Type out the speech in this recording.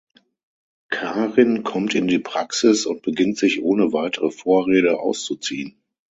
Karin kommt in die Praxis und beginnt sich ohne weitere Vorrede auszuziehen.